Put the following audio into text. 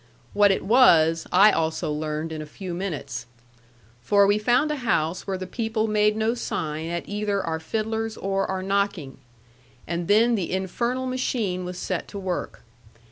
What it was, I also learned in a few minutes. For we found a house where the people made no sign at either our fiddlers or our knocking. And then the infernal machine was set to work.